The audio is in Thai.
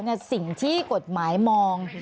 ว่าสิ่งที่กฏหมายมอง